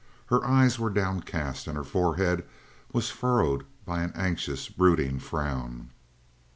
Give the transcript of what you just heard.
Her eyes were downcast, and her forehead was furrowed by an anxious, brooding frown.